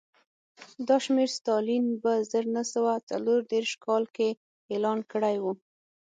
دا شمېر ستالین په زر نه سوه څلور دېرش کال کې اعلان کړی و